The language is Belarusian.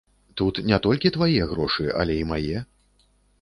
Тут не толькі твае грошы, але й мае.